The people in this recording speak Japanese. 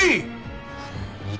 はい！